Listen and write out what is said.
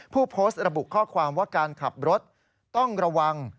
ผู้โพสต์ระบุข้อความว่าการขับรถต้องระวัง